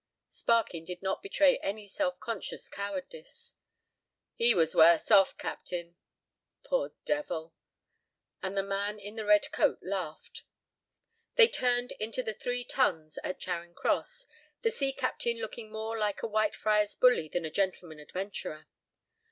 Sparkin did not betray any self conscious cowardice. "He was worse off, captain." "Poor devil!" And the man in the red coat laughed. They turned into "The Three Tuns" at Charing Cross, the sea captain looking more like a Whitefriars' bully than a gentleman adventurer.